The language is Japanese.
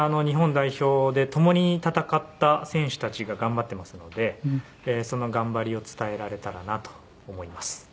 日本代表で共に戦った選手たちが頑張ってますのでその頑張りを伝えられたらなと思います。